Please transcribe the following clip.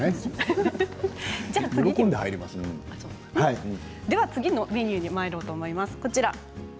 次のメニューにまいりたいと思います。